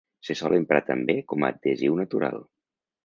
Se sol emprar també com a adhesiu natural.